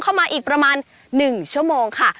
เข้ามาอีกประมาณ๑ชั่วโมงค่ะ